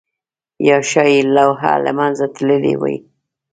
یا ښايي لوحه له منځه تللې وي؟